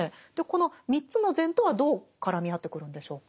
この３つの善とはどう絡み合ってくるんでしょうか？